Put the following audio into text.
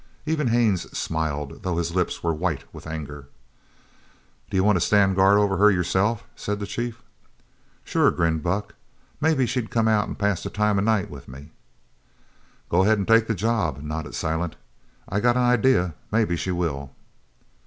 Even Haines smiled, though his lips were white with anger. "D'you want to stand guard over her yourself?" said the chief. "Sure," grinned Buck, "maybe she'd come out an' pass the time o' night with me." "Go ahead and take the job," nodded Silent. "I got an idea maybe she will."